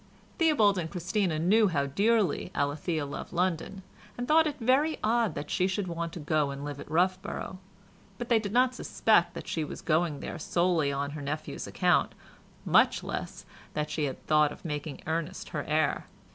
Theobald and Christina knew how dearly Alethea loved London, and thought it very odd that she should want to go and live at Roughborough, but they did not suspect that she was going there solely on her nephew's account, much less that she had thought of making Ernest her heir.